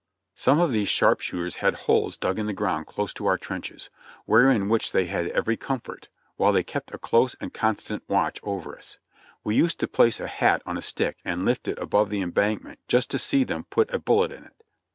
Some of these sharpshooters had holes dug in the ground close to our trenches, within which they had every comfort, while they kept a close and constant watch over us. We used to place a hat on a stick and lift it above the embankment just to see them put a bullet in it.